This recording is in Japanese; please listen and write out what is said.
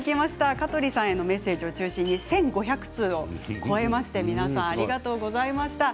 香取さんへのメッセージを中心に１５００通を超えまして皆さんありがとうございました。